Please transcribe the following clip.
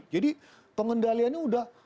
jadi pengendaliannya sudah